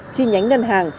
chi nhánh ngân hàng